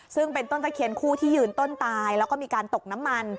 ซึ่งเป็นต้นตะเคียนคู่ที่ยืนต้นตายแล้วก็มีการตกน้ำมัน